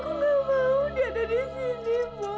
aku gak mau dia ada disini bo